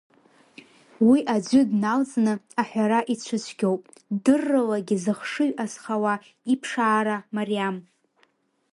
Уи аӡәы дналҵны аҳәара ицәыцәгьоуп, дырралагьы зыхшыҩ азхауа иԥшаара мариам.